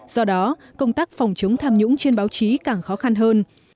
do đó công tác phòng chống tham nhũng trên báo chí càng khó khăn hơn